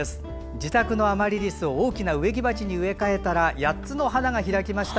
自宅のアマリリスを大きな植木鉢に植え替えたら８つの花が開きました。